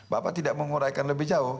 bapak tidak menguraikan lebih jauh